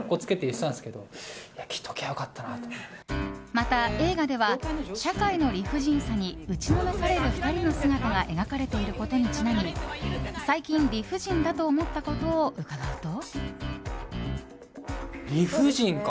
また、映画では社会の理不尽さに打ちのめされる２人の姿が描かれていることにちなみ最近、理不尽だと思ったことを伺うと。